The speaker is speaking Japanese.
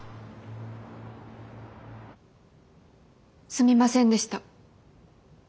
すみませんでした。